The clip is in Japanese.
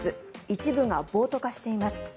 一部が暴徒化しています。